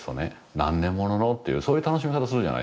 「何年物の」っていうそういう楽しみ方するじゃないですか。